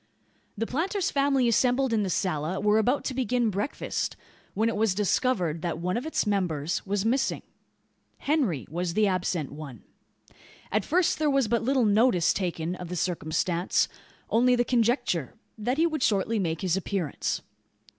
The planter's family assembled in the sala were about to begin breakfast, when it was discovered that one of its members was missing. Henry was the absent one. At first there was but little notice taken of the circumstance. Only the conjecture: that he would shortly make his appearance.